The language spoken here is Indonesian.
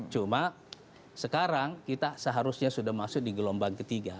cuma sekarang kita seharusnya sudah masuk di gelombang ketiga